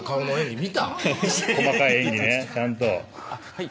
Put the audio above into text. はい。